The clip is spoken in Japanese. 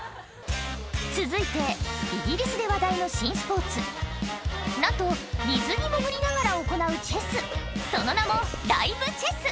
続いてイギリスで話題の新スポーツなんと水に潜りながら行うチェス